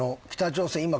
北朝鮮